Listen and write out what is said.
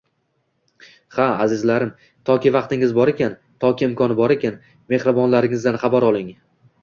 Ha, azizlarim, toki vaqtingiz bor ekan, toki imkon bor ekan, mehribonlaringizdan xabar oling